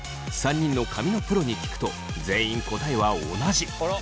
３人の髪のプロに聞くと全員答えは同じ。